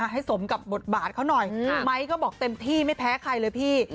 ให้สมกับบทบาทเขาหน่อยไม้ก็บอกเต็มที่ไม่แพ้ใครเลยพี่